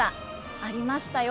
ありましたよ。